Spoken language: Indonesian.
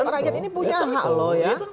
rakyat ini punya hak loh ya